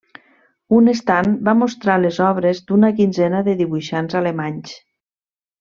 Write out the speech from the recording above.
Un estand va mostrar les obres d'una quinzena de dibuixants alemanys.